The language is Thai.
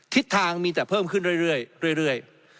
ทิศทางมีแต่เพิ่มขึ้นเรื่อย